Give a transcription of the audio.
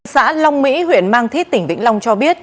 xã long mỹ huyện mang thít tỉnh vĩnh long cho biết